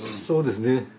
そうですね。